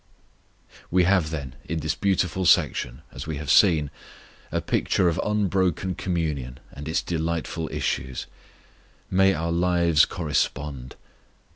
We have, then, in this beautiful section, as we have seen, a picture of unbroken communion and its delightful issues. May our lives correspond!